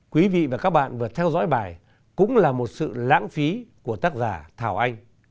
quý vị và các bạn vừa theo dõi bài cũng là một sự lãng phí của tác giả thảo anh